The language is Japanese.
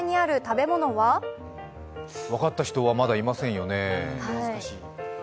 分かった人はまだいませんよね難しい。